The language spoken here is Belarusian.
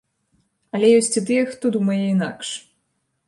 Але ёсць і тыя, хто думае інакш.